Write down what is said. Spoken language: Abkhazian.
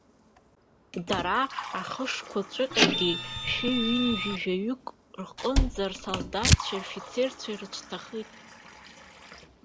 Дара ахышқәаҵәҟьагьы шәиҩынҩажәижәаҩык рҟынӡа рсолдаҭцәеи рфицарцәеи рыцәҭахеит.